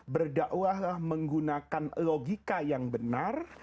berdakwahlah menggunakan logika yang benar